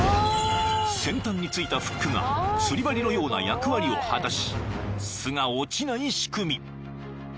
［先端についたフックが釣り針のような役割を果たし巣が落ちない仕組み］